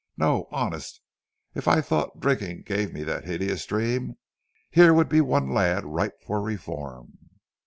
No, honest, if I thought drinking gave me that hideous dream, here would be one lad ripe for reform."